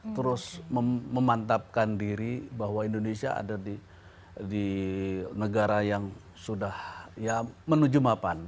terus memantapkan diri bahwa indonesia ada di negara yang sudah menuju mapan